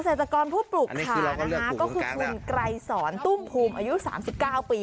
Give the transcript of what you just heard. เศรษฐกรผู้ปลูกขานะคะก็คือคุณไกรสอนตุ้มภูมิอายุ๓๙ปี